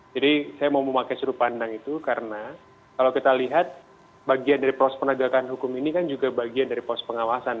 jadi saya mau memakai suruh pandang itu karena kalau kita lihat bagian dari proses penegakan hukum ini kan juga bagian dari proses pengawasan